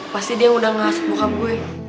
pasti dia udah ngasuk bokap gue